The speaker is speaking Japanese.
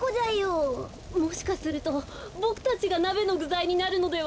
もしかするとボクたちがなべのぐざいになるのでは。